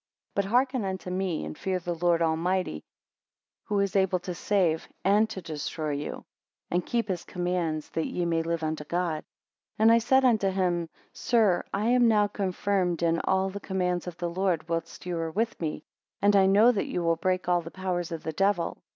But hearken unto me, and fear the Lord Almighty, who is able to save and to destroy you; and keep his commands, that ye may live unto God. 34 And I said unto him; Sir, I am now confirmed in all the commands of the Lord whilst you are with me, and I know that you will break all the powers of the devil.